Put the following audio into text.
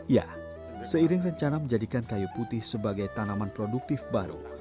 ya seiring rencana menjadikan kayu putih sebagai tanaman produktif baru